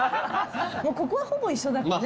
ここはほぼ一緒だからね